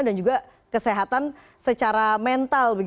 dan juga kesehatan secara mental